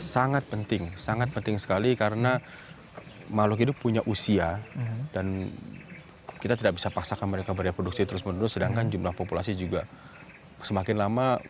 sangat penting sangat penting sekali karena makhluk itu punya usia dan kita tidak bisa paksakan mereka bereproduksi terus menerus sedangkan jumlah populasi juga semakin lama